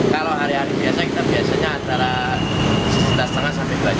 kalau hari hari biasa kita biasanya antara rp sebelas lima ratus sampai rp dua